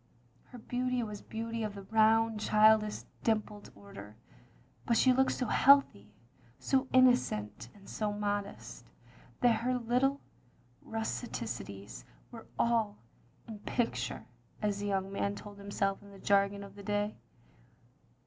Her beauty was beauty of the round, childish, dimpled order; but she looked so healthy, so in nocent and so modest, that her little rusticities were all "in the picture, " as the young man told himself in the jargon of the day.